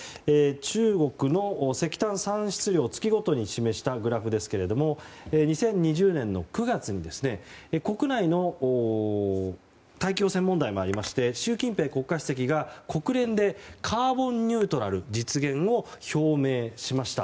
中国の石炭産出量月ごとに見せたグラフですけども２０２０年の９月に国内の大気汚染問題もありまして習近平国家主席が、国連でカーボンニュートラル実現を表明しました。